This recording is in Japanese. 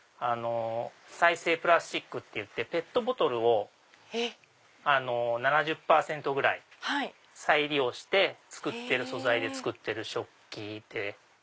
再生プラスチックっていってペットボトルを７０％ぐらい再利用してる素材で作ってる食器で。